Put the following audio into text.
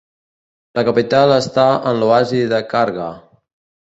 La capital està en l'Oasi de Kharga.